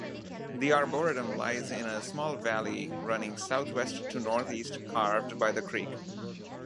The arboretum lies in a small valley running southwest-to-northeast carved by the creek.